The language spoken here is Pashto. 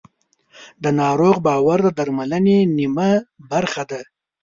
د ناروغ باور د درملنې نیمه برخه ده.